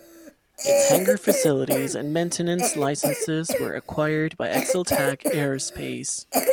Its hangar facilities and maintenance licences were acquired by ExelTech Aerospace.